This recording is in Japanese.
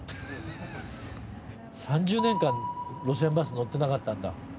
３０年間路線バス乗ってなかったんだ。